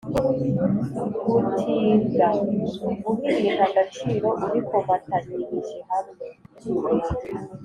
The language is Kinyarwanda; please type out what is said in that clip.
gutiga: guha ibintu agaciro ubikomatanyirije hamwe